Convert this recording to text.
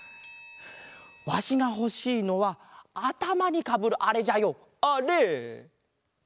わしがほしいのはあたまにかぶるあれじゃよあれ！